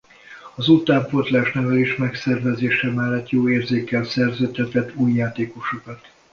Az utánpótlás-nevelés megszervezése mellett jó érzékkel szerződtetett új játékosokat.